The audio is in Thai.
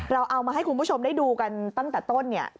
เราเอามาให้คุณผู้ชมได้ดูกันตั้งแต่ต้นเนี่ย